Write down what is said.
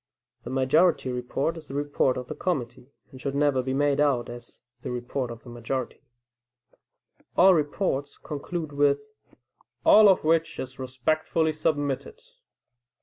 The majority report is the report of the committee, and should never be made out as the report of the majority. All reports conclude with, "All of which is respectfully submitted."